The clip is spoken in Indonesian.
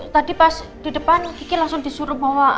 tadi pas di depan kiki langsung disuruh bawa